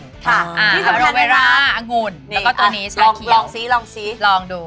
ค่ะที่สำคัญนะคะโรเวร่าอังุฬแล้วก็ตัวนี้ชาเขียวลองดู